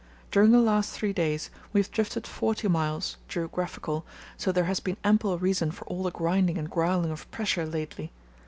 During the last three days we have drifted forty miles (geographical), so there has been ample reason for all the grinding and growling of pressure lately.